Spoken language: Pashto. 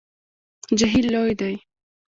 جهیل لوی دی